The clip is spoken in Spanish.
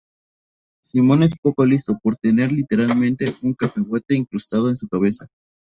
Simón es poco listo, por tener -literalmente- un cacahuete incrustado en su cabeza.